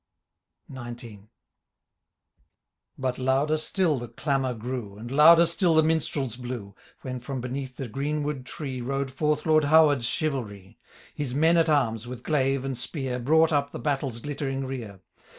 XIX. But louder still ihe clamour grew. And louder still the minstrels blew, ' \Vhen, firom beneath the greenwood Iree, Rode forth Lord Howard's chivalry ; His men at arms, with glaive and spear. Brought up the battle's glittering rear.